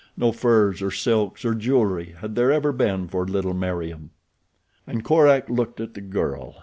No furs or silks or jewelry had there ever been for little Meriem. And Korak looked at the girl.